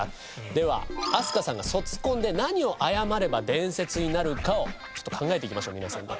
では飛鳥さんが卒コンで何を謝れば伝説になるかをちょっと考えていきましょう皆さんで。